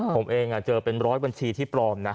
ผมเองเจอเป็นร้อยบัญชีที่ปลอมนะ